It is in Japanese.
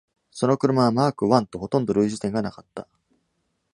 その車はマーク I とほとんど類似点がなかった。